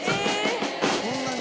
こんなに？